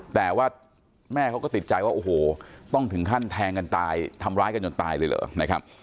แต่ว่าแม่เขาก็ติดใจว่าโอ้โหต้องถึงขั้นแทงกันตายทำร้ายกันจนตายเลยเหรอนะครับ